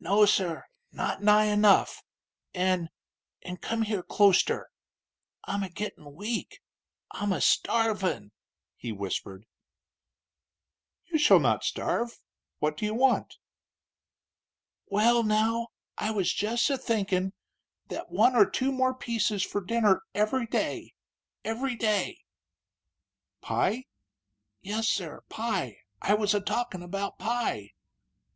"No, sir; not nigh enough. An' an' come here closter. I'm a gittin' weak I'm a starvin'!" he whispered. "You shall not starve. What do you want?" "Well, now, I was jess a thinkin' that one or two more pieces fur dinner every day every day " "Pie?" "Yes, sir; pie. I was a talkin' about pie."